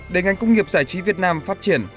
để ngành công nghiệp giải trí việt nam phát triển